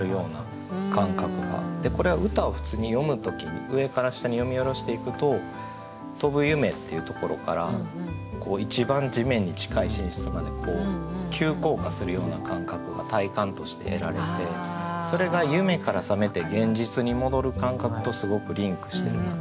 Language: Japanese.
これは歌を普通に読む時に上から下に読み下ろしていくと「飛ぶ夢」っていうところから「一番地面に近い寝室」まで急降下するような感覚が体感として得られてそれが夢から覚めて現実に戻る感覚とすごくリンクしてるなと。